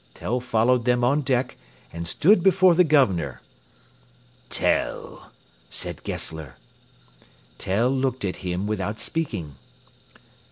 Tell followed them on deck, and stood before the Governor. "Tell," said Gessler. Tell looked at him without speaking.